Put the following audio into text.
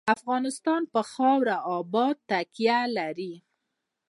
افغانستان په خاوره باندې تکیه لري.